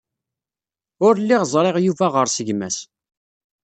Ur lliɣ ẓriɣ Yuba ɣer-s gma-s.